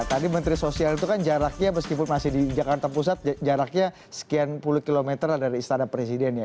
nah tadi menteri sosial itu kan jaraknya meskipun masih di jakarta pusat jaraknya sekian puluh kilometer dari istana presidennya